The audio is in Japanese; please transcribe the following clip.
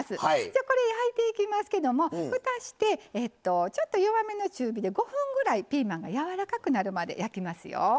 じゃあこれ焼いていきますけどもふたしてちょっと弱めの中火で５分ぐらいピーマンがやわらかくなるまで焼きますよ。